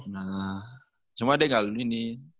nah cuma adek ga lulus ini